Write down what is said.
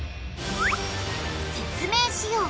説明しよう。